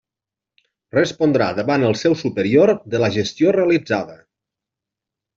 Respondrà davant el seu superior de la gestió realitzada.